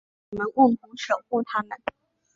让我们共同守护她们。